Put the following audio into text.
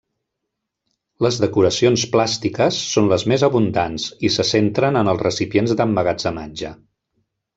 Les decoracions plàstiques són les més abundants, i se centren en els recipients d'emmagatzematge.